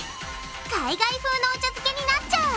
海外風のお茶漬けになっちゃう！